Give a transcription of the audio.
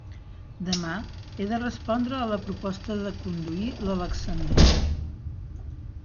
Demà he de respondre a la proposta de conduir l'”Alexandria”!